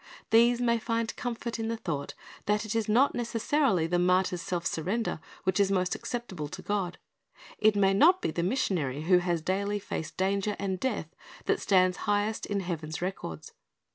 These may find comfort in the thought that it is not necessarily the martyr's self surrender which is most acceptable to God; it may not be the missionary who has daily faced danger and death, that stands highest in hca\en's records.